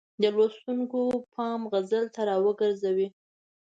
د لوستونکو پام غزل ته را وګرځوي.